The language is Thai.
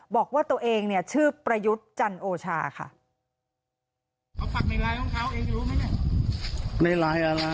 บอกว่าตัวเองเนี่ยชื่อประยุทธ์จันโอชาค่ะ